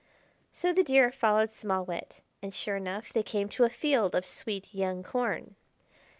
So the Deer followed Small Wit, and, sure enough, they came to a field of sweet young corn.